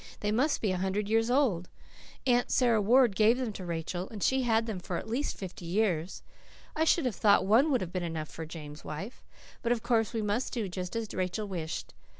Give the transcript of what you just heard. "They must be a hundred years old. Aunt Sara Ward gave them to Rachel, and she had them for at least fifty years. I should have thought one would have been enough for James' wife. But of course we must do just as Rachel wished.